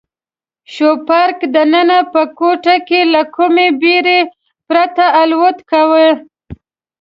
شوپرک دننه په کوټه کې له کومې بېرې پرته الوت کاوه.